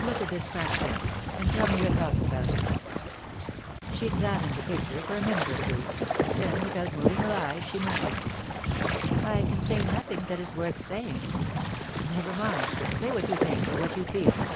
Look at this Francia, and tell me your thoughts about it." She examined the picture for a minute or two. Then, without moving her eyes, she murmured: "I can say nothing that is worth saying." "Never mind. Say what you think, or what you feel."